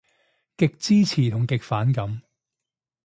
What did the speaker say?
極支持同極反感